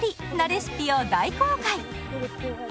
レシピを大公開！